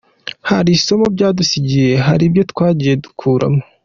Hari isomo byadusigiye, hari ibyo twagiye dukuramo.